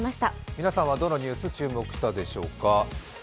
皆さんはどのニュースに注目したでしょうか。